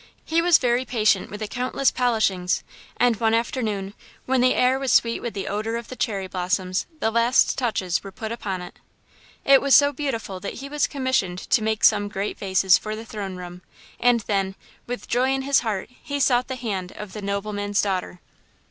He was very patient with the countless polishings, and one afternoon, when the air was sweet with the odour of the cherry blossoms, the last touches were put upon it. "It was so beautiful that he was commissioned to make some great vases for the throne room, and then, with joy in his heart, he sought the hand of the nobleman's daughter.